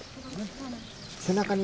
背中にね